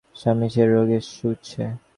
স্বামী সে রোগে শুষছে।